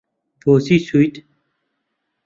بۆچی چویت؟